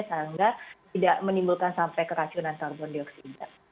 sehingga tidak menimbulkan sampai keracunan karbon dioksida